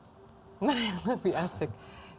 mana yang lebih asik